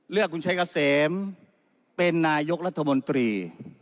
เลือกคุณชัยเกษมเป็นนายกรัฐมนตรี